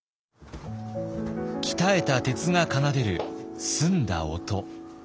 鍛えた鉄が奏でる澄んだ音。